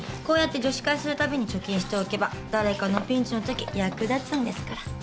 こうやって女子会するたびに貯金しておけば誰かのピンチのとき役立つんですから。